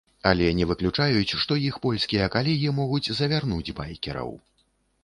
Але не выключаюць, што іх польскія калегі могуць завярнуць байкераў.